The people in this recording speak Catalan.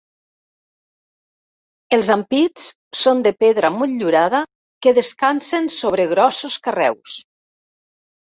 Els ampits són de pedra motllurada que descansen sobre grossos carreus.